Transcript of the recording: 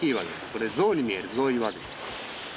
これゾウに見えるゾウ岩です。